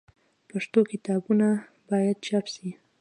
پښتو کتابونه باید چاپ سي.